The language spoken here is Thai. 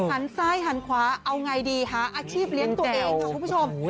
หันซ้ายหันขวาเอาไงดีหาอาชีพเลี้ยงตัวเองค่ะคุณผู้ชม